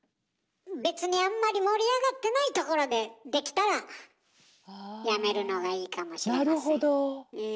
別にあんまり盛り上がってないところでできたらやめるのがいいかもしれません。